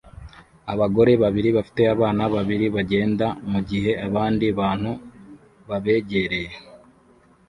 Abagore babiri bafite abana babiri bagenda mugihe abandi bantu babegereye